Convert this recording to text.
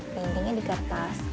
pintingnya di kertas